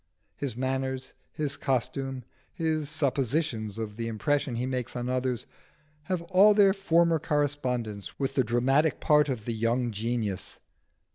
His manners, his costume, his suppositions of the impression he makes on others, have all their former correspondence with the dramatic part of the young genius.